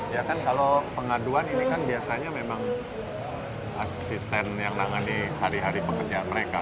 ya kan kalau pengaduan ini kan biasanya memang asisten yang menangani hari hari pekerjaan mereka